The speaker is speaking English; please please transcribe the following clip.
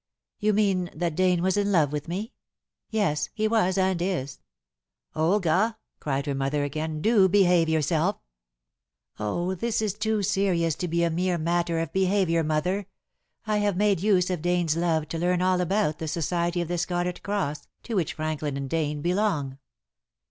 "You mean that Dane was in love with me. Yes. He was and is." "Olga," cried her mother again, "do behave yourself." "Oh, this is too serious to be a mere matter of behavior, mother. I have made use of Dane's love to learn all about the society of the Scarlet Cross, to which Franklin and Dane belong."